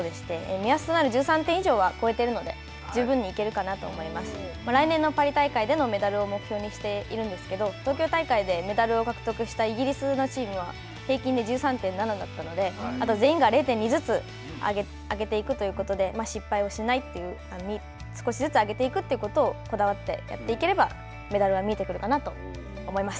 目安となる１３点以上は超えているので、来年のパリ大会でのメダルを目標にしているんですけど、東京大会でメダルを獲得したイギリスのチームは平均で１３．７だったので、あと全員が０．２ずつ上げていくということで、失敗をしないという、少しずつ上げていくということをこだわってやっていければ、メダルは見えてくるかなと思います。